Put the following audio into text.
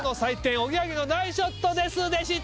おぎやはぎの「ナイスショットです。」』でした。